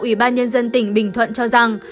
ủy ban nhân dân tỉnh bình thuận cho rằng